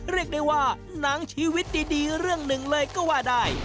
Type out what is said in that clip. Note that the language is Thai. เรียกได้ว่าหนังชีวิตดีเรื่องหนึ่งเลยก็ว่าได้